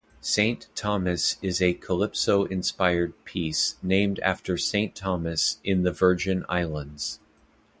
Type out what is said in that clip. "Saint Thomas" is a calypso-inspired piece named after Saint Thomas in the Virgin Islands.